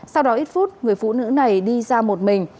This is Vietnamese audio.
sau đó ít phút người phụ nữ này đi ra một mình